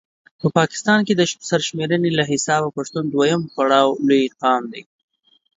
په پاکستان کې د سر شميرني له حسابه پښتون دویم پړاو لوي قام دی